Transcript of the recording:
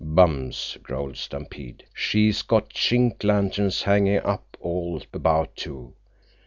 "Bums!" growled Stampede. "She's got Chink lanterns hanging up all about, too.